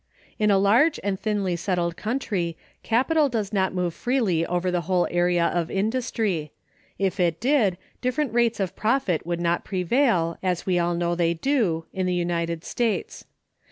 In a large and thinly settled country capital does not move freely over the whole area of industry; if it did, different rates of profit would not prevail, as we all know they do, in the United States.